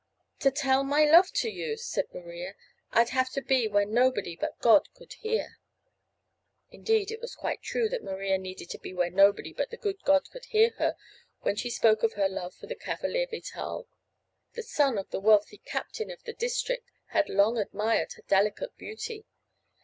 "To tell my love to you," said Maria, "I'd have to be where nobody but God could hear." Indeed it was quite true that Maria needed to be where nobody but the good God could hear her when she spoke of her love for the cavalier Vital. The son of the wealthy Captain of the district had long admired her delicate beauty.